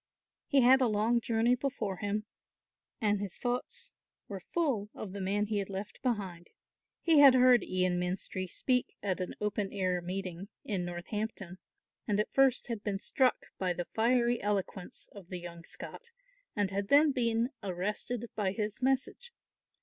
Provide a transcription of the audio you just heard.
He had a long journey before him and his thoughts were full of the man he had left behind. He had heard Ian Menstrie speak at an open air meeting in Northampton, and at first had been struck by the fiery eloquence of the young Scot and had then been arrested by his message.